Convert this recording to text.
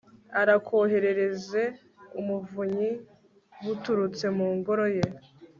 arakoherereze ubuvunyi buturutse mu ngoro ye